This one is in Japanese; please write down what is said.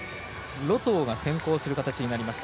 冬が先行する形になりました。